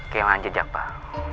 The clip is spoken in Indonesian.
kelahan jejak pak